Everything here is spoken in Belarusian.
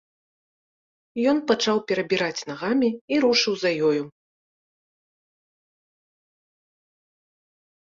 Ён пачаў перабіраць нагамі і рушыў за ёю.